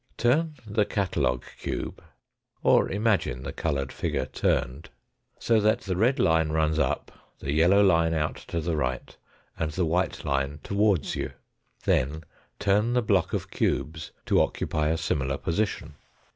Turn the catalogue cube (or imagine the coloured figure turned) so that the red line runs up, the yellow line out to the right, and the white line towards you. Then turn the block of cubes to occupy a similar position.